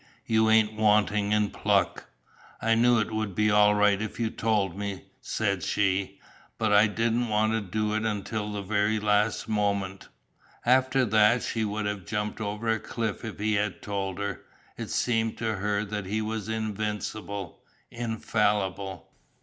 "You ain't wanting in pluck." "I knew it would be all right if you told me," said she, "but I didn't want to do it until the very last moment." After that she would have jumped over a cliff if he had told her. It seemed to her that he was invincible infallible.